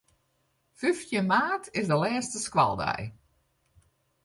Fyftjin maart is de lêste skoaldei.